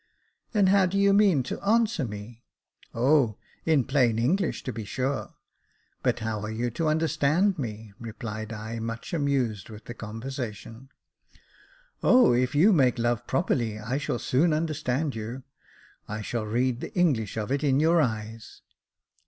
" And how do you mean to answer me ?"'* O, in plain English, to be sure." " But how are you to understand me ?" replied I, much amused with the conversation. " O, if you make love properly, I shall soon understand you ; I shall read the English of it in your eyes."